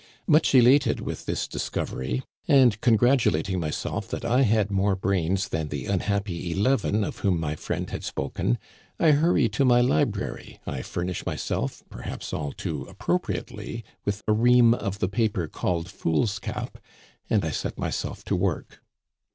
Much elated with this discovery, and congratulating myself that I had more brains than the unhappy eleven of whom my friend had spoken, I hurry to my library, I furnish myself, perhaps all too appropriately, with a ream of the paper called foolscap," and I set myself to work.